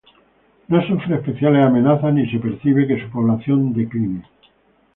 No sufre especiales amenazas ni se percibe que su población decline.